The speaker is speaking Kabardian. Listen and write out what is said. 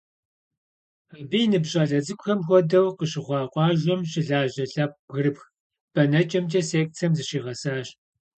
Абы и ныбжь щӏалэ цӏыкӏухэм хуэдэу, къыщыхъуа къуажэм щылажьэ лъэпкъ бгырыпх бэнэкӏэмкӏэ секцэм зыщигъэсащ.